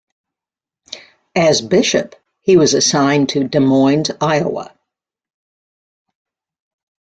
As Bishop he was assigned to Des Moines, Iowa.